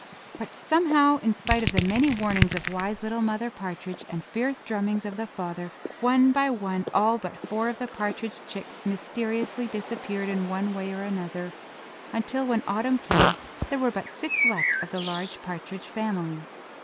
But somehow, in spite of the many warnings of wise little Mother Partridge, and fierce drummings of the father, one by one all but four of the partridge chicks mysteriously disappeared in one way or another, until when autumn came there were but six left of the large partridge family.